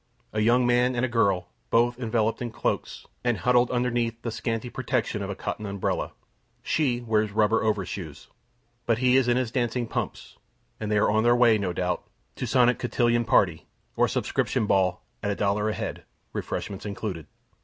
A young man and a girl, both enveloped in cloaks, and huddled beneath the scanty protection of a cotton umbrella. She wears rubber overshoes; but he is in his dancing pumps; and they are on their way, no doubt, to sonic cotillon party, or subscription ball at a dollar a head, refreshments included.